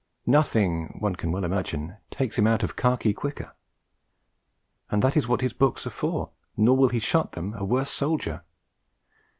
Nothing, one can well imagine, takes him out of khaki quicker; and that is what his books are for, nor will he shut them a worse soldier.